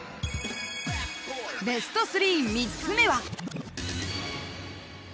［ベスト３３つ目は］